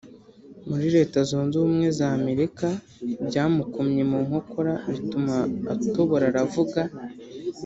muri Leta Zunze Ubumwe za Amerika byamukomye mu nkokora bituma atobora aravuga